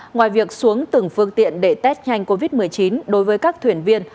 ngoài việc xuống từng phương tiện để test nhanh covid một mươi chín đối với các thuyền viên